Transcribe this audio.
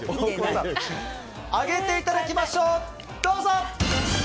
上げていただきましょう！